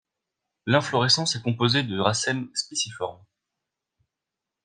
L'inflorescence est composée de racèmes spiciformes.